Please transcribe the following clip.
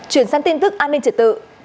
chuyển sang tin tức an ninh trật tự